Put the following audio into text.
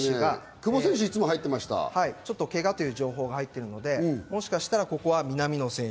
久保選手、ケガという情報が入ってるので、もしかしたらここは南野選手。